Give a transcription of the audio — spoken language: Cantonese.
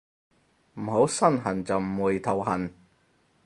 唔好身痕就唔會頭痕